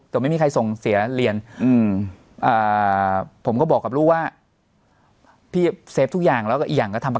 สั่งเสียลูกเลยเหรอ